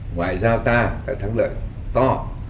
ngoại giao ta đã thắng lợi to